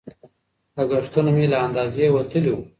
لګښتونه مې له اندازې وتلي وو.